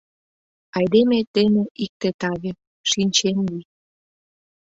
Айдеме дене икте таве, шинчен лий.